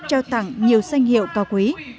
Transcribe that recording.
trao tặng nhiều danh hiệu cao quý